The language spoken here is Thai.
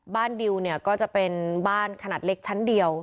ดิวเนี่ยก็จะเป็นบ้านขนาดเล็กชั้นเดียว